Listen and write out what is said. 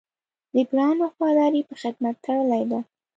د برانډ وفاداري په خدمت تړلې ده.